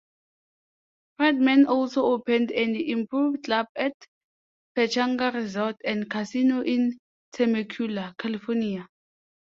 Friedman also opened an Improv club at Pechanga Resort and Casino in Temecula, California.